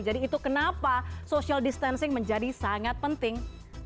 jadi itu kenapa social distancing menjadi sangat penting